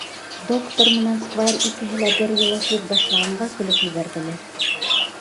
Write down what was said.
Доктор менән сквайр икеһе бер юлы һүҙ башлағанға көлөп ебәрҙеләр.